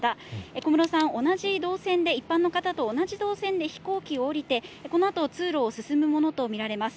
小室さん、同じ動線で、一般の方と同じ動線で飛行機を降りて、このあと通路を進むものと見られます。